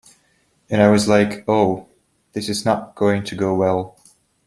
And I was like, Oh... this is not going to go well.